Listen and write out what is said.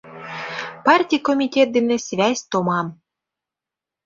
Партий комитет дене связь томам.